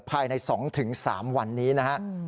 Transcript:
ภายใน๒๓วันนี้นะครับ